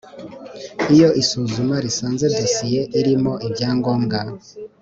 Iyo isuzuma risanze dosiye irimo ibyangombwa